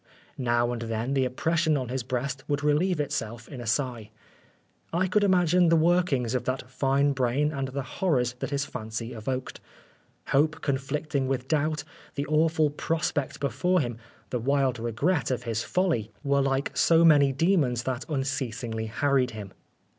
Now and then the oppression on his breast would re lieve itself in a sigh. I could imagine the workings of that fine brain and the horrors that his fancy evoked. Hope conflicting with doubt, the awful prospect before him, the wild regret of his folly, were like so many demons that unceasingly harried him.